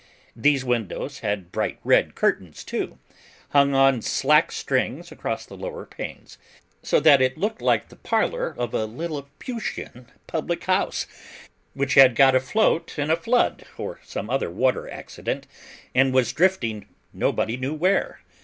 These windows had bright red curtains, too, hung on slack strings across the lower panes; so that it looked like the parlour of a Lilliputian public house, which had got afloat in a flood or some other water accident, and was drifting nobody knew where.